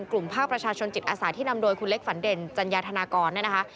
กลุ่มภาคประชาชนจิตอาสาที่นำโดยคุณเล็กฝันเด่นจัญญาธนากรเนี่ยนะคะ